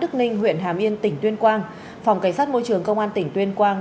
đức ninh huyện hàm yên tỉnh tuyên quang phòng cảnh sát môi trường công an tỉnh tuyên quang